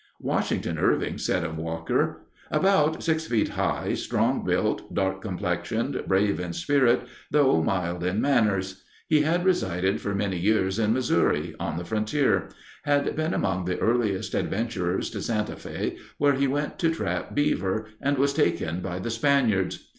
Washington Irving said of Walker, "About six feet high, strong built, dark complexioned, brave in spirit, though mild in manners. He had resided for many years in Missouri, on the frontier; had been among the earliest adventurers to Santa Fe, where he went to trap beaver, and was taken by the Spaniards.